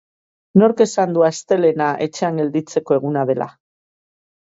Nork esan du astelehena etxean gelditzeko eguna dela?